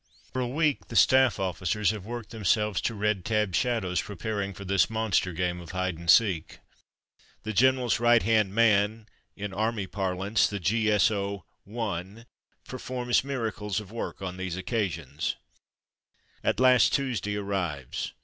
" For a week the staff officers have worked themselves to red tabbed shadows preparing for this monster game of hide and seek. The general's righthand man, in army par lance, "The G.S.O. I," performs miracles of work on these occasions. Who's Won? 47 At last Tuesday arrives.